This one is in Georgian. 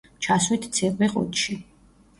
ჩასვით ციყვი ყუთში.